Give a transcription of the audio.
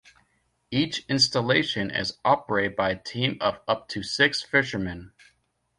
Each installation is operated by a team of up to six fishermen.